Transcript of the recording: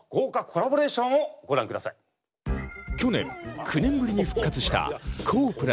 去年９年ぶりに復活したＫＯＨ。